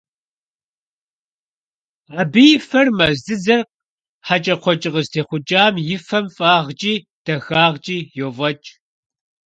Абы и фэр мэз дзыдзэр хьэкӀэкхъуэкӀэ къызытехъукӀам и фэм фӀагъкӀи дахагъкӀи йофӀэкӀ.